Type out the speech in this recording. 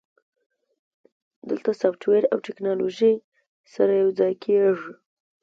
دلته سافټویر او ټیکنالوژي سره یوځای کیږي.